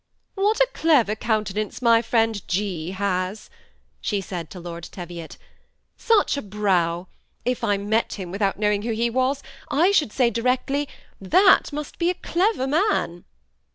" What a clever countenance my friend G. has," she said to Lord Teviot; ^'such a brow! If I met him without knowing who he was, I should say directly, That must be a clever man